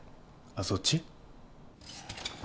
あっそっち？